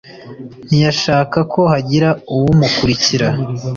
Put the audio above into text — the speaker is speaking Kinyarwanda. ntiyashaka ko hagira uwumukurikira.